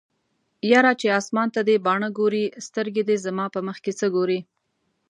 یاره چې اسمان ته دې باڼه ګوري سترګې دې زما په مخکې څه ګوري